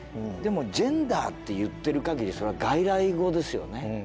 でもジェンダーって言ってるかぎりそれは外来語ですよね。